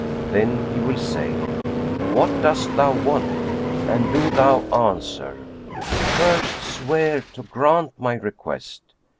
Then he will say, 'What dost thou want?'; and do thou answer, 'First swear to grant my request.'